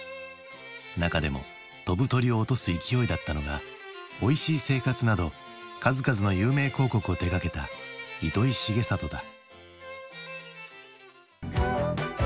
中でも飛ぶ鳥を落とす勢いだったのが「おいしい生活」など数々の有名広告を手がけた糸井重里だ。